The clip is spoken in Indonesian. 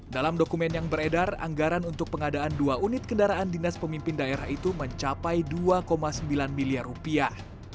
dalam dokumen yang beredar anggaran untuk pengadaan dua unit kendaraan dinas pemimpin daerah itu mencapai dua sembilan miliar rupiah